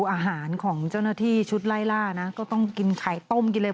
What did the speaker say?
อาหารของเจ้าหน้าที่ชุดไล่ล่านะก็ต้องกินไข่ต้มกินเลย